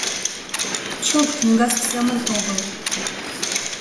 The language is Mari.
«Чылт книгасе семын огыл»